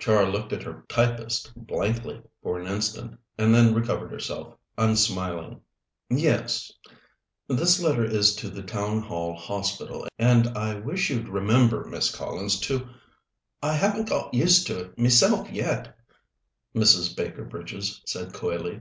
Char looked at her typist blankly for an instant, and then recovered herself, unsmiling. "Yes. This letter is to the Town Hall Hospital, and I wish you'd remember, Miss Collins, to " "I haven't got used to it meself yet," Mrs. Baker Bridges said coyly.